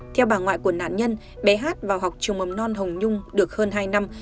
theo bà ngoại của nạn nhân bé hát vào học trường mầm non hồng nhung được hơn hai năm